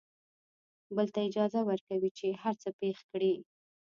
بل ته اجازه ورکوي چې هر څه پېښ کړي.